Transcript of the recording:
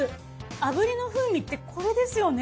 炙りの風味ってこれですよね